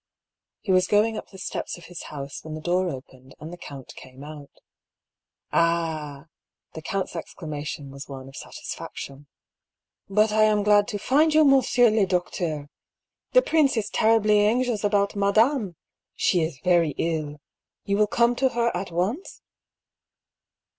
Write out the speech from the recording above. He was going up the steps of his house when the door opened, and the count came out. " Ah I " The count's exclamation was one of satis faction. " But I am glad to find you, monsieur le docteur ! The prince is terribly anxious about madame ! She is very ill. You will come to her at once